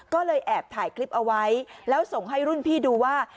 ก็เลยแอบถ่ายคลิปเอาไว้แล้วส่งให้รุ่นพี่ดูว่า